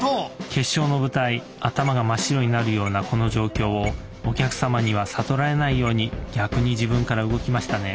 決勝の舞台頭が真っ白になるようなこの状況をお客様には悟られないように逆に自分から動きましたね。